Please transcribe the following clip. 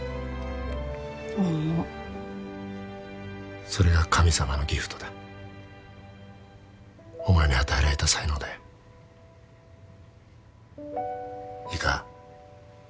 思うそれが神様のギフトだお前に与えられた才能だよいいか？